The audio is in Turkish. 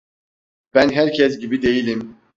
Ben herkes gibi değilim…